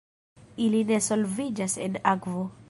Ili ne solviĝas en akvo.